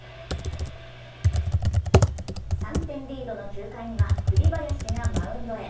３点リードの９回には栗林がマウンドへ。